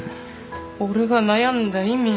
俺が悩んだ意味。